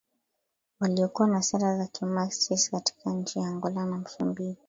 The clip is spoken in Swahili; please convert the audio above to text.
waliokuwa na sera za kimaxist katika nchi za Angola na Msumbiji